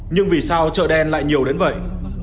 nhưng vì sao chợ đen lại nhiều đến vậy